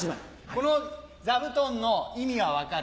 この座布団の意味は分かる？